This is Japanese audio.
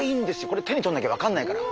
これ手にとんなきゃ分かんないから。